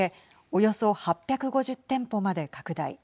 およそ８５０店舗まで拡大。